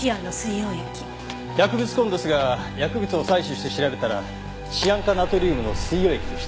薬物痕ですが薬物を採取して調べたらシアン化ナトリウムの水溶液でした。